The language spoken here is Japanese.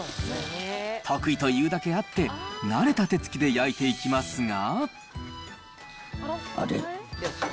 得意というだけあって、慣れた手つきで焼いていきますが。